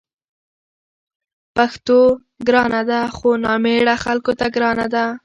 پښتو ګرانه ده؛ خو نامېړه خلکو ته ګرانه ده